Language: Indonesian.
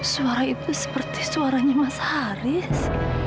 suara itu seperti suaranya mas haris